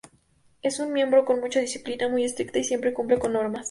Es un miembro con mucha disciplina, muy estricta y siempre cumple las normas.